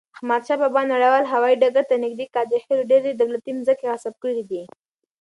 احمدشاه بابا نړیوال هوایی ډګر ته نږدې قادرخیلو ډیري دولتی مځکي غصب کړي دي.